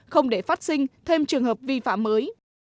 không để phát sinh thêm trường hợp vi phạm mới